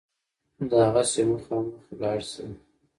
دغسې مخامخ لاړ شه.